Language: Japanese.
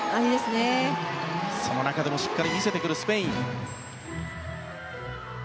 その中でもしっかり見せてくるスペイン。